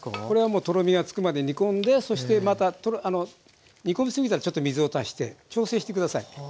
これはもうとろみがつくまで煮込んでそしてまた煮込みすぎたらちょっと水を足して調整して下さい。